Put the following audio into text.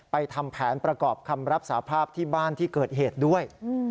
ทำแผนประกอบคำรับสาภาพที่บ้านที่เกิดเหตุด้วย